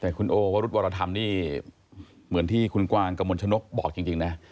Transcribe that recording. แต่คุณโอวรุธวรธรรมนี่เหมือนที่คุณกวางกระมวลชนกบอกจริงนะ